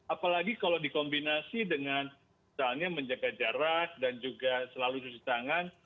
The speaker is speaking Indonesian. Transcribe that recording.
apalagi kalau dikombinasi dengan misalnya menjaga jarak dan juga selalu cuci tangan